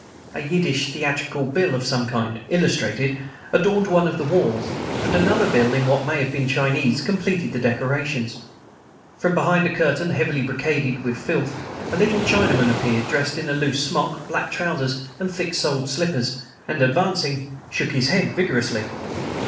A Yiddish theatrical bill of some kind, illustrated, adorned one of the walls, and another bill, in what may have been Chinese, completed the decorations. From behind a curtain heavily brocaded with filth a little Chinaman appeared, dressed in a loose smock, black trousers and thick soled slippers, and, advancing, shook his head vigorously.